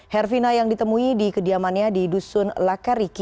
herfina yang ditemui di kediamannya di dusun lakariki